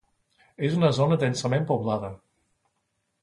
És una zona densament poblada.